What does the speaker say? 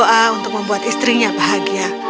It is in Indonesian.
sang nelayan berdoa untuk membuat istrinya bahagia